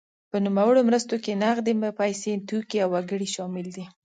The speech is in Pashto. په نوموړو مرستو کې نغدې پیسې، توکي او وګړي شامل دي.